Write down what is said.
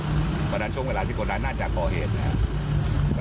เพราะฉะนั้นช่วงเวลาที่คนร้ายน่าจะก่อเหตุนะครับ